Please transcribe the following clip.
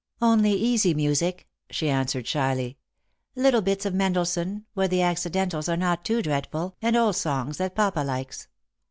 " Only easy music," she answered shyly ;" little bits of Mendelssohn, where the accidentals are not too dreadful, and old songs that papa likes.